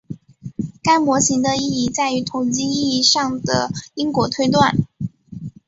该模型的意义在于统计意义上的因果推断。